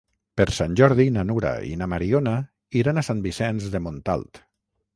Per Sant Jordi na Nura i na Mariona iran a Sant Vicenç de Montalt.